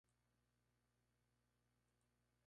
Se opuso a la operación de la frutera en sus tierras.